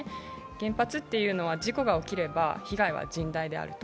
原発というのは事故が起きれば被害は甚大であると。